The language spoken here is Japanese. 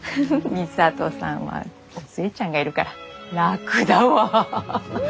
巳佐登さんはお寿恵ちゃんがいるから楽だわ。